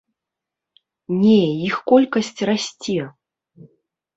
Не, іх колькасць расце.